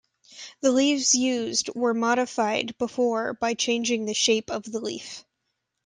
The leaves used were modified before by changing the shape of the leaf.